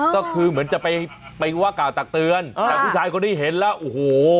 ก็คือเหมือนจะไปไปว่ากล่าวตักเตือนแต่ผู้ชายคนนี้เห็นแล้วโอ้โห